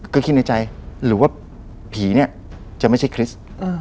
ก็คิดในใจหรือว่าผีเนี่ยจะไม่ใช่คริสต์